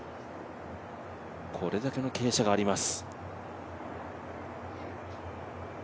これだけの傾斜があります。